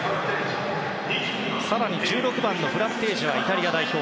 更に１６番、フラッテージはイタリア代表。